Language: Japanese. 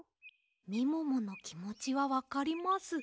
みもものきもちはわかります。